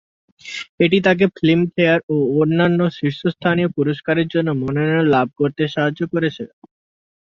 এটি তাঁকে ফিল্মফেয়ার এবং অন্যান্য শীর্ষস্থানীয় পুরস্কারের জন্য মনোনয়ন লাভ করতে সাহায্য করেছে।